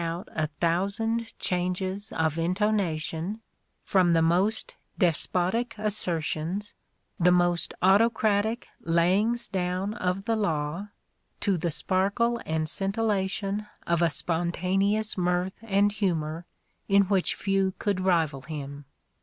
His rich voice rang out a thousand changes of intonation, from the most despotic assertions, the most autocratic layings down of the law, to the sparkle and scintillation of a spontaneous mirth and humour in which few could rival him.